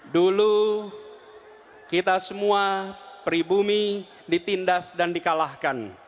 dulu kita semua pribumi ditindas dan dikalahkan